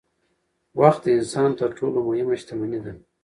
وخت د انسان تر ټولو مهمه شتمني ده